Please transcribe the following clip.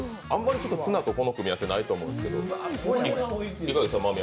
あんまりツナとこの組み合わせないと思うんですけど。